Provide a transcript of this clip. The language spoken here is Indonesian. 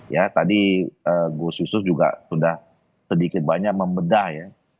ya tadi gus yusuf juga sudah sedikit banyak membedah ya